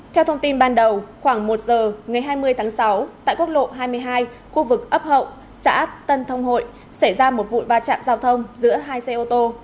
theo thông tin ban đầu khoảng một giờ ngày hai mươi tháng sáu tại quốc lộ hai mươi hai khu vực ấp hậu xã tân thông hội xảy ra một vụ va chạm giao thông giữa hai xe ô tô